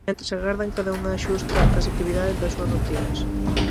Mentres agardan, cada unha axusta as actividades das súas rutinas.